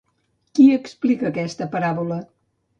Qui explica aquesta paràbola?